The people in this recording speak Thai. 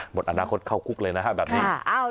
หมดอนาคตเข้าคุกเลยนะฮะแบบนี้